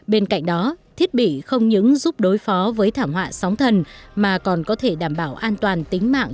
bên cạnh đó thiết bị không những giúp đối phó với thảm họa sóng thần mà còn có thể đảm bảo an toàn tính mạng